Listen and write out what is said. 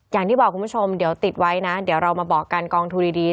อย่างที่บอกคุณผู้ชมเดี๋ยวติดไว้นะเดี๋ยวเรามาบอกกันกองทุนดี